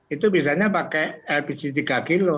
itu biasanya pakai lpg tiga kilo